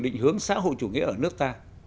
định hướng xã hội chủ nghĩa ở nước ta